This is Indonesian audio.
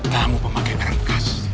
kamu pemakaian barang bekas